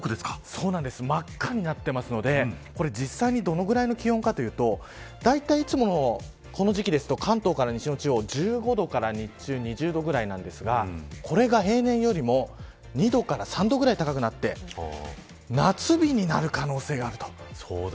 真っ赤になってますので実際にどのぐらいの気温かというとだいたい、いつもこの時期ですと関東から西の地方は１５度から日中２０度ぐらいなんですがこれが平年よりも２度から３度くらい高くなって夏日になる可能性がある。